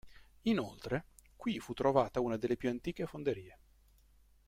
Inoltre, qui fu trovata una delle più antiche fonderie.